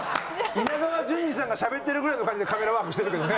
稲川淳二さんがしゃべってるくらいの感じでカメラワークしてたけどね。